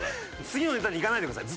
次のネタにいかないでください。